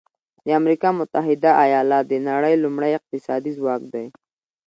د امریکا متحده ایالات د نړۍ لومړی اقتصادي ځواک دی.